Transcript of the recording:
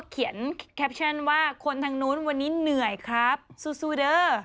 เขียนแคปชั่นว่าคนทางนู้นวันนี้เหนื่อยครับซูซูเด้อ